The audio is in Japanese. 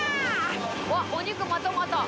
うわお肉またまた！